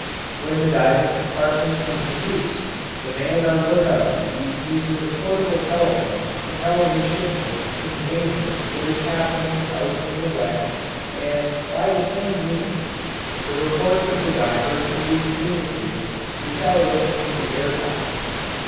When the diving compartment is in use the man on lookout duty uses a portable telephone to tell his shipmates in the main room what is happening out in the wet, and by the same means the reports of the diver can be communicated without opening the air lock.